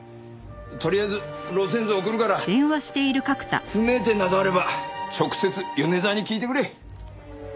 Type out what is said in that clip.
とりあえず路線図を送るから不明点などあれば直接米沢に聞いてくれ。